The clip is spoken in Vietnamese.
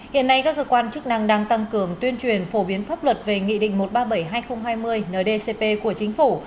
hiện nay các cơ quan chức năng đang tăng cường tuyên truyền phổ biến pháp luật về nghị định một trăm ba mươi bảy hai nghìn hai mươi ndcp của chính phủ